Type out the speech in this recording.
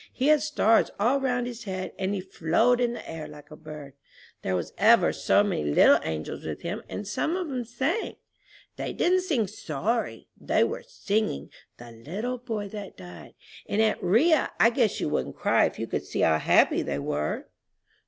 He had stars all round his head, and he flowed in the air like a bird. There was ever so many little angels with him, and some of 'em sang. They didn't sing sorry; they was singing, 'The Little Boy that died.' And, aunt 'Ria, I guess you wouldn't cry if you could see how happy they were!"